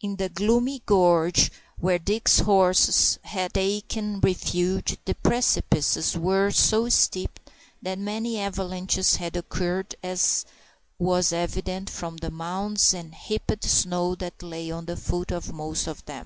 In the gloomy gorge where Dick's horse had taken refuge the precipices were so steep that many avalanches had occurred, as was evident from the mounds of heaped snow that lay at the foot of most of them.